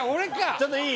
ちょっといい？